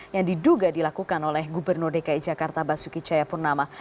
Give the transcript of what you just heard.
yang diduga dilakukan oleh gubernur dki jakarta basuki cayapurnama